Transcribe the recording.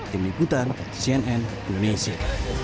tim ikutan cnn indonesia